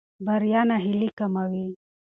بریا ناهیلي کموي.